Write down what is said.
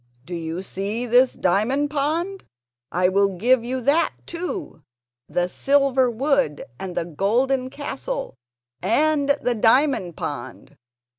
"Do you see this diamond pond? I will give you that too, the silver wood and the golden castle and the diamond pond.